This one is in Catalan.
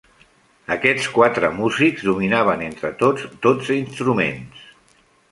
Aquests quatre músics dominaven, entre tots, dotze instruments.